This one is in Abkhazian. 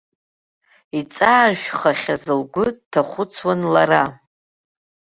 Иҵааршәхахьаз лгәы дҭахәыцуан лара.